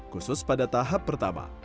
khusus pada tahap pertempuran